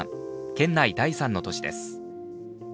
県内第３の都市です。